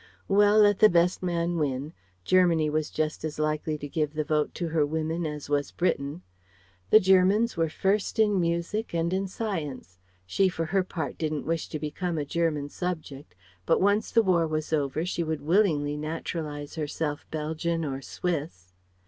Well: let the best man win. Germany was just as likely to give the Vote to her women as was Britain. The Germans were first in Music and in Science. She for her part didn't wish to become a German subject, but once the War was over she would willingly naturalize herself Belgian or Swiss.